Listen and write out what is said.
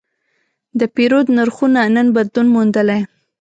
د پیرود نرخونه نن بدلون موندلی.